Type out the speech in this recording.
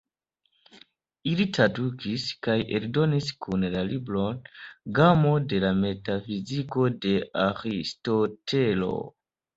Ili tradukis kaj eldonis kune la libron "Gamo de la metafiziko" de Aristotelo.